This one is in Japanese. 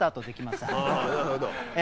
なるほど。